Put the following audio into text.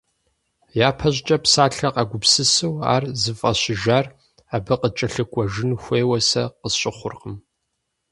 Япэ щӀыкӀэ псалъэр къагупсысу ар зыфӀащыжар абы къыкӀэлъыкӀуэжын хуейуэ сэ къысщыхъуркъым.